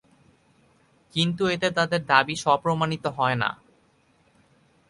কিন্তু এতে তাদের দাবি সপ্রমাণিত হয় না।